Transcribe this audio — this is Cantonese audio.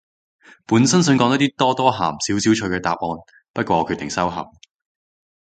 本身想講啲多多鹹少少趣嘅答案，不過我決定收口